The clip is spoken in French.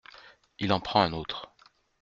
Il en prend un autre.